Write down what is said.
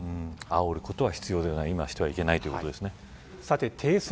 あることは必要ではないいましてはいけないということですね。